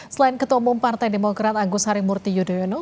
selain ketua umum partai demokrat agus harimurti yudhoyono